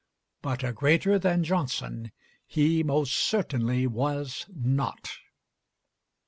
But a greater than Johnson he most certainly was not.